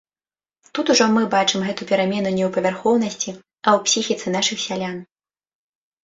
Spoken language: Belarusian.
Тут ужо мы бачым гэту перамену не ў павярхоўнасці, а ў псіхіцы нашых сялян.